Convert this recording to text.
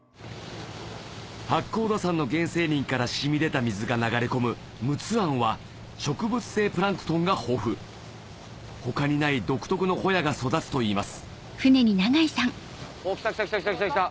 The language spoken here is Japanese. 八甲田山の原生林から染み出た水が流れ込む陸奥湾は植物性プランクトンが豊富他にない独特のホヤが育つといいますおっきたきたきた！